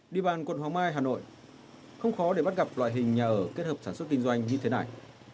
địa bàn quận hoàng mai hà nội không khó để bắt gặp loại hình nhà ở kết hợp sản xuất kinh doanh như thế này